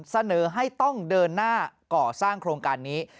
เสนอให้ต้องเดินหน้าก่อสร้างโครงการนี้